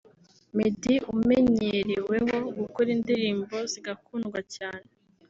Meddy umenyereweho gukora indirimbo zigakundwa cyane